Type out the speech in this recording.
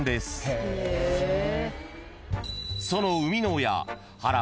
［その生みの親］